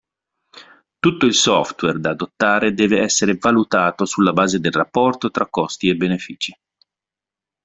Tutto il software da adottare deve essere valutato sulla base del rapporto tra costi e benefici.